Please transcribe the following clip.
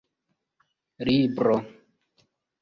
libro